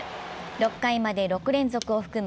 ６回まで６連続を含む